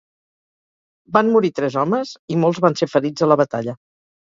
Van morir tres homes, i molts van ser ferits a la batalla.